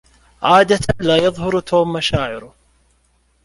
عادة لا يظهر توم مشاعره.